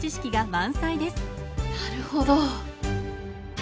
なるほど。